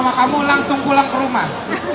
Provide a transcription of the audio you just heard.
terpisah sama mama kamu langsung pulang ke rumah